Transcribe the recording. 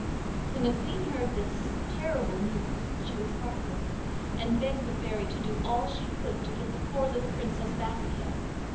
When the Queen heard this terrible news she was heart broken, and begged the Fairy to do all she could to get the poor little Princess back again.